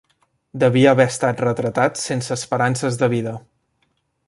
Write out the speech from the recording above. Devia haver estat retratat sense esperances de vida